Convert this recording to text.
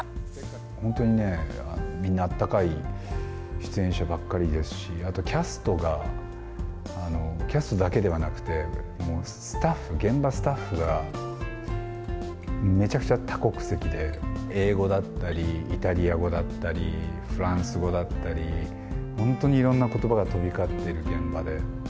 本当にね、みんなあったかい出演者ばっかりですし、あとキャストが、キャストだけではなくて、もうスタッフ、現場スタッフが、めちゃくちゃ多国籍で、英語だったり、イタリア語だったり、フランス語だったり、本当にいろんなことばが飛び交ってる現場で。